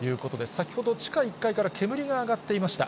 先ほど、地下１階から煙が上がっていました。